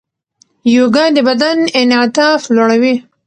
یوګا د بدن انعطاف لوړوي.